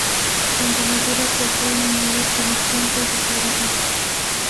Cuando madura, posee un olor penetrante y desagradable.